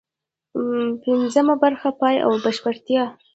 پنځمه برخه: پای او بشپړتیا